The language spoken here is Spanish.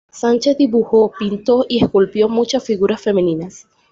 Sánchez dibujó, pintó y esculpió muchas figuras femeninas.